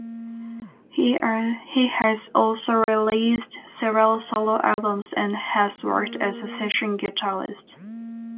He has also released several solo albums and has worked as a session guitarist.